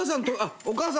お母さん。